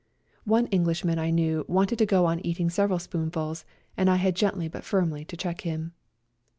One Englishman I knew wanted to go on eating several spoonfuls, and I had gently but firmly to check him.